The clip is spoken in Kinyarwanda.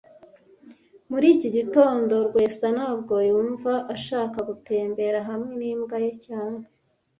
Muri iki gitondo, Rwesa ntago yumva ashaka gutembera hamwe n'imbwa ye cyane